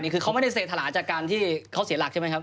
นี่คือเขามันไม่ได้เสถาหราจากการที่สิ้นหลักใช่ไหมครับ